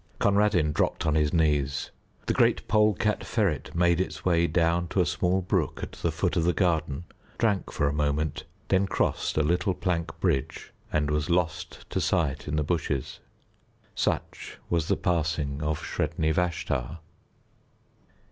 Conradin dropped on his knees. The great polecat ferret made its way down to a small brook at the foot of the garden, drank for a moment, then crossed a little plank bridge and was lost to sight in the bushes. Such was the passing of Sredni Vashtar.